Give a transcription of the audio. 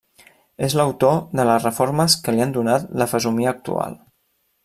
És l'autor de les reformes que li han donat la fesomia actual.